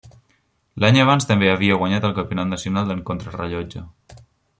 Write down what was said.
L'any abans també havia guanyat el campionat nacional en contrarellotge.